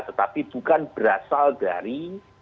tetapi bukan berasal dari